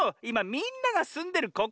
いまみんながすんでる